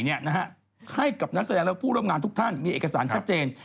ให้กับนักแสดงและผู้ร่วมงานทุกท่านมีเอกสารชัดเจน